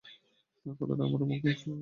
কথাটা আমার মুখ ফসকে বেরিয়ে গেছে।